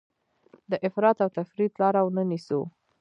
د افراط او تفریط لاره ونه نیسو.